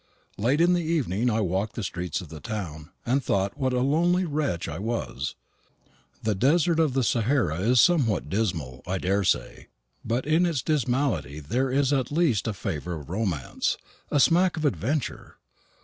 Late in the evening I walked the streets of the town, and thought what a lonely wretch I was. The desert of Sahara is somewhat dismal, I daresay; but in its dismality there is at least a flavour of romance, a smack of adventure.